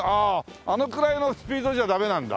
あのくらいのスピードじゃダメなんだ。